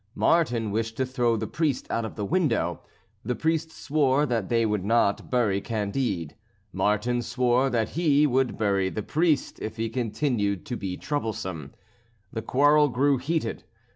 Martin wished to throw the priest out of the window. The priest swore that they would not bury Candide. Martin swore that he would bury the priest if he continued to be troublesome. The quarrel grew heated.